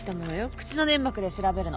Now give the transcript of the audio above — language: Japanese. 口の粘膜で調べるの。